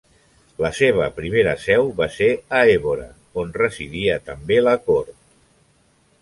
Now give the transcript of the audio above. La seva primera seu va ser a Évora, on residia també la Cort.